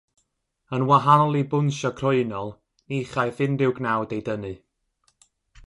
Yn wahanol i bwnsio croenol, ni chaiff unrhyw gnawd ei dynnu.